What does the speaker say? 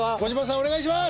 お願いします！